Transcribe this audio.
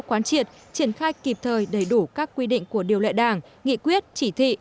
quán triệt triển khai kịp thời đầy đủ các quy định của điều lệ đảng nghị quyết chỉ thị